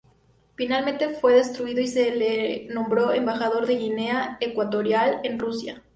Finalmente fue destituido y se le nombró Embajador de Guinea Ecuatorial en Rusia.